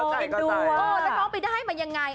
แล้วใจก็ใจเออแต่น้องไปได้มันยังไง